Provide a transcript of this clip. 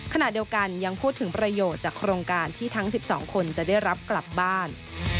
ขณะเดียวกันยังพูดถึงประโยชน์จากโครงการที่ทั้ง๑๒คนจะได้รับกลับบ้าน